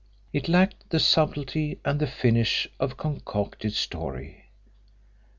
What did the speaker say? It lacked the subtlety and the finish of a concocted story.